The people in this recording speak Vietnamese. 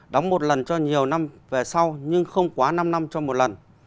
đóng một lần cho nhiều năm về sau nhưng không quá năm năm cho một lần